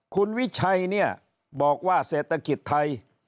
คุณวิชัยเนี่ยบอกว่าเศรษฐกิจไทย